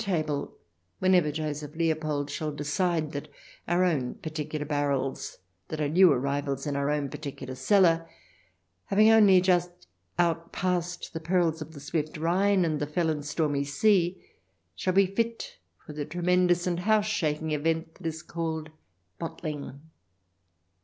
xxi table, whenever Joseph Leopold shall decide that our own particular barrels that are new arrivals in our own particular cellar, having only just outpassed the perils of the swift Rhine and the fell and stormy sea, shall be fit for the tremendous and house shaking event that is called " bottling."